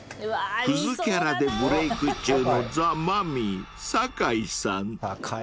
クズキャラでブレイク中のザ・マミィ酒井さん